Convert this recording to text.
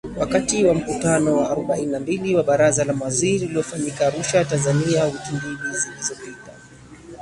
Wakati wa mkutano wa arubaini na mbili wa Baraza la Mawaziri uliofanyika Arusha, Tanzania wiki mbili zilizopita .